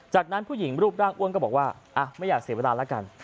จากนั้นผู้หญิงรูปร่างอ้วนก็บอกว่าไม่อยากเสียเวลาแล้วกัน